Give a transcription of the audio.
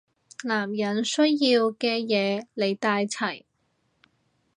男人需要嘅嘢你帶齊